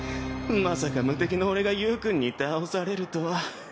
まさか無敵の俺がゆーくんに倒されるとは。